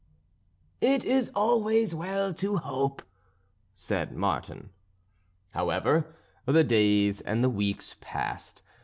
"It is always well to hope," said Martin. However, the days and the weeks passed.